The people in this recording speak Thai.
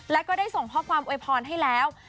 แล้วก็ได้ส่งข้อความโวยพรให้แล้ว